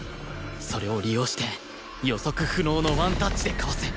それを利用して予測不能のワンタッチでかわす